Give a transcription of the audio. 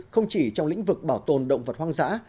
không chỉ trong lĩnh vực bảo tồn động vật hoang dã